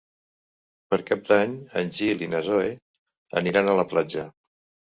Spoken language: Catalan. Per Cap d'Any en Gil i na Zoè aniran a la platja.